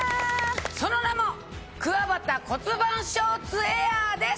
その名も「くわばた骨盤ショーツエアー」です。